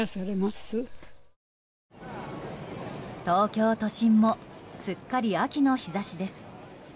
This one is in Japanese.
東京都心もすっかり秋の日差しです。